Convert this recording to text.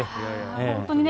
本当にね。